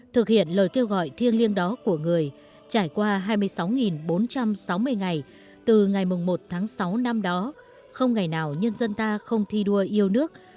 thực hiện lời kêu gọi thiêng liêng đó của người trải qua hai mươi sáu bốn trăm sáu mươi ngày từ ngày một tháng sáu năm đó không ngày nào nhân dân ta không thi đua yêu nước